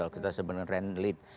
kita sebenarnya randik